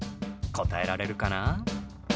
答えられるかな？